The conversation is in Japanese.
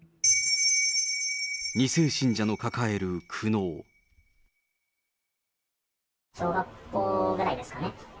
２世信者の抱える苦悩。小学校ぐらいですかね。